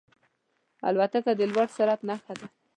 الوتکه د لوړ سرعت نښه ده.